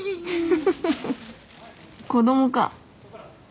フフフフ子供か。